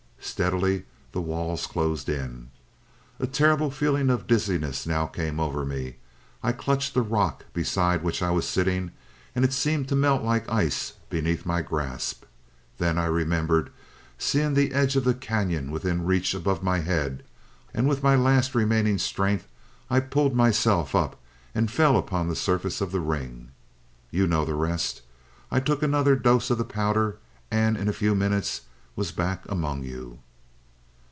Steadily the walls closed in. "A terrible feeling of dizziness now came over me. I clutched the rock beside which I was sitting, and it seemed to melt like ice beneath my grasp. Then I remembered seeing the edge of the cañon within reach above my head, and with my last remaining strength, I pulled myself up, and fell upon the surface of the ring. You know the rest. I took another dose of the powder, and in a few minutes was back among you."